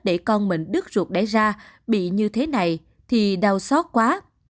để con mình đứt ruột đẻ ra bị như thế này thì đau xót quá